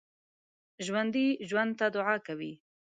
ژوندي ژوند ته دعا کوي